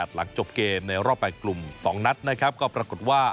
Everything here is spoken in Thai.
หลังจบเกมในรอบ๘กลุ่ม๒นัดนะครับก็ปรากฏว่า